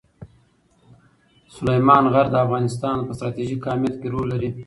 سلیمان غر د افغانستان په ستراتیژیک اهمیت کې رول لري.